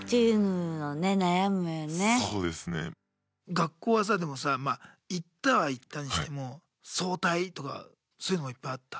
学校はさでもさ行ったは行ったにしても早退とかそういうのもいっぱいあった？